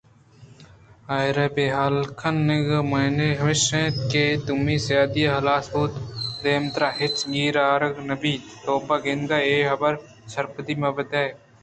آئرا بے حال کنگ ءِ معناہمیش اِنت کہ دائمی آسیادی ہلاس بوت ءُدیمترا ہچ گیر آرگ نہ بیت توبہ گندے اے حبر ءَ سرپد مہ بئے